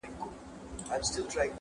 هم څښتن وو د پسونو هم د غواوو -